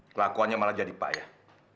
kelakuannya malah jadi payah